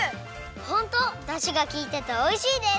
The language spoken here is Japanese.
ホントだしがきいてておいしいです！